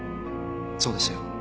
そうですよ。